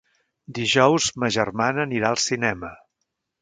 Dijous ma germana anirà al cinema.